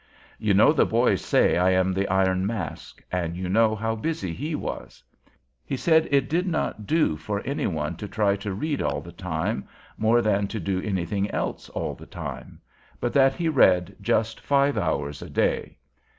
"You know the boys say I am the Iron Mask, and you know how busy he was." He said it did not do for any one to try to read all the time, more than to do anything else all the time; and that he used to read just five hours a day.